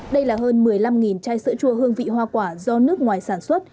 đây là hơn một mươi năm chai sữa chua hương vị hoa quả do nước ngoài sản xuất